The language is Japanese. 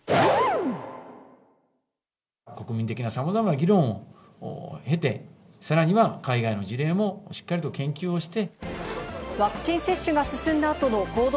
国民的なさまざまな議論を経て、さらには海外の事例もしっかりと研究をして。